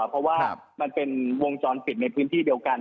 เพราะว่ามันเป็นวงจรปิดในพื้นที่เดียวกัน